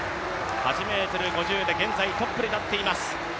８ｍ５０で現在トップに立っています。